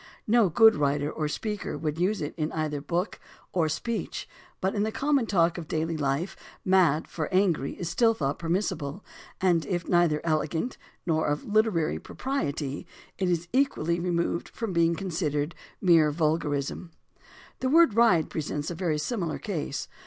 No good writer or speaker would use it either in book or speech, but in the common talk of daily life "mad" for angry is still thought permissible, and if neither elegant nor of literary propriety, it is equally removed from being considered a mere vulgarism. The word "ride" presents a very similar case.